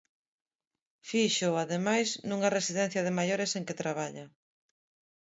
Fíxoo, ademais, nunha residencia de maiores en que traballa.